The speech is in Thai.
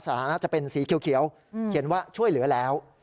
ฐานะจะเป็นสีเขียวเขียนว่าช่วยเหลือแล้ว